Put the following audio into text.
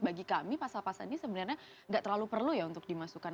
bagi kami pasal pasal ini sebenarnya nggak terlalu perlu ya untuk dimasukkan